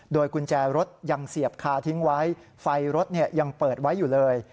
กุญแจรถยังเสียบคาทิ้งไว้ไฟรถยังเปิดไว้อยู่เลย